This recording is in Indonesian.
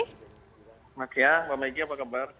selamat siang mbak megi apa kabar